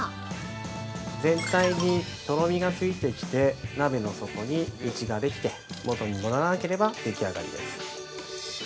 ◆全体にとろみがついてきて鍋の底に道ができて元に戻らなければ出来上がりです。